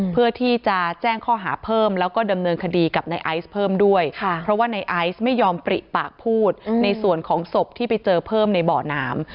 เพื่อที่จะแจ้งข้อหาเพิ่มแล้วก็ดำเนินคดีกับในไอซ์เพิ่มด้วยเพราะว่าในไอซ์ไม่ยอมปริปากพูดในส่วนของศพที่ไปเจอเพิ่มในเบาะน้ำ